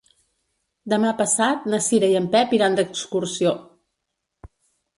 Demà passat na Cira i en Pep iran d'excursió.